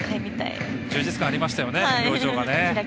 充実感がありましたよね表情が。